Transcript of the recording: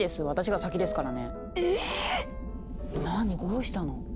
どうしたの？